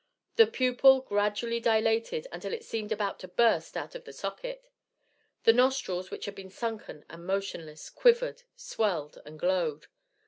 The pupil gradually dilated until it seemed about to burst out of the socket. The nostrils, which had been sunken and motionless, quivered, swelled, and glowed.